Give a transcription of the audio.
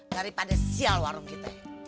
daripada sial warung kita